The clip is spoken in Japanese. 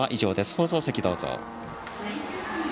放送席、どうぞ。